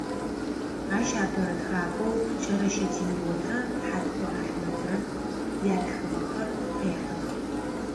Ащ апэрэ тхакӏохэу Кӏэрэщэ Темботрэ Хьаткъо Ахьмэдрэ ятхыгъэхэр къехьэх.